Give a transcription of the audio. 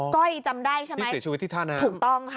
ก้อยจำได้ใช่ไหมพิสิทธิวิทธานาคถึงต้องค่ะ